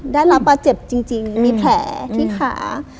ได้รับบาดเจ็บจริงมีแผลที่ขา